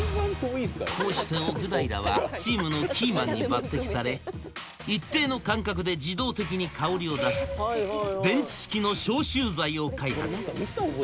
こうして奥平はチームのキーマンに抜てきされ一定の間隔で自動的に香りを出す電池式の消臭剤を開発。